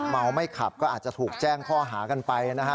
เมาไม่ขับก็อาจจะถูกแจ้งข้อหากันไปนะฮะ